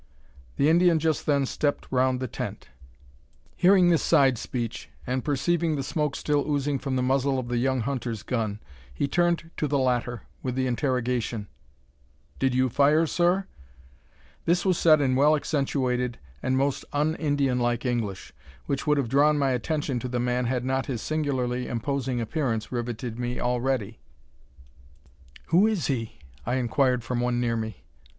The Indian just then stepped round the tent. Hearing this side speech, and perceiving the smoke still oozing from the muzzle of the young hunter's gun, he turned to the latter with the interrogation "Did you fire, sir?" This was said in well accentuated and most un Indianlike English, which would have drawn my attention to the man had not his singularly imposing appearance riveted me already. "Who is he?" I inquired from one near me.